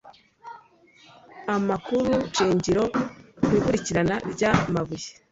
amakurushingiro ku ikurikirana ry amabuye